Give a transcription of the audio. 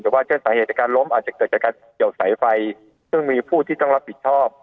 แต่ว่าเช่นสาเหตุจากการล้มอาจจะเกิดจากการเกี่ยวสายไฟซึ่งมีผู้ที่ต้องรับผิดชอบ